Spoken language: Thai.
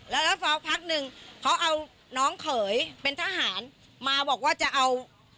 แล้วแล้วพอพักหนึ่งเขาเอาน้องเขยเป็นทหารมาบอกว่าจะเอา